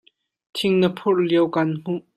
Thing na phurh lio ka'an hmuh.